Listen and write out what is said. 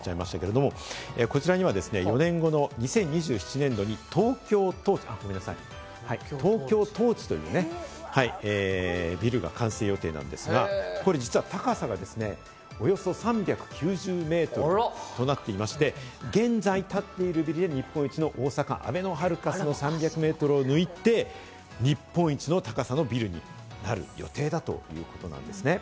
こちらには４年後の２０２７年度にＴＯＫＹＯＴＯＲＣＨというビルが完成予定なんですが、これ実はですね、高さがおよそ３９０メートルとなっていまして、現在、立っているビルで日本一の大阪・あべのハルカスの３００メートルを抜いて、日本一の高さのビルになる予定だということなんですね。